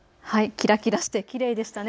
きらきらしてきれいでしたね。